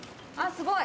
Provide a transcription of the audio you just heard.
すごい。